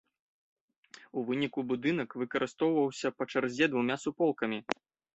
У выніку будынак выкарыстоўваўся па чарзе двума суполкамі.